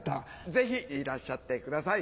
ぜひいらっしゃってください